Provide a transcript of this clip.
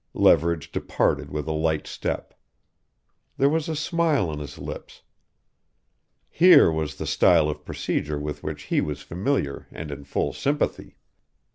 Leverage departed with a light step. There was a smile on his lips. Here was the style of procedure with which he was familiar and in full sympathy.